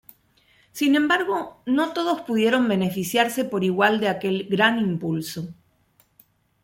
Sin embargo, no todos pudieron beneficiarse por igual de aquel gran impulso.